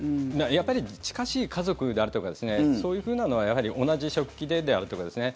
やっぱり近しい家族であるとかそういうふうなのは同じ食器であるとかですね